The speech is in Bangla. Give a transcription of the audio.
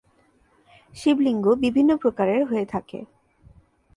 শিবলিঙ্গ বিভিন্ন প্রকারের হয়ে থাকে।